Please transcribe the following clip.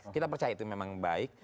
kita percaya itu memang baik